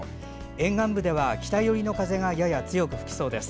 沿岸部では北寄りの風がやや強く吹きそうです。